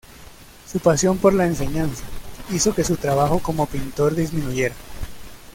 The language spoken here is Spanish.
Su pasión por la enseñanza, hizo que su trabajo como pintor disminuyera.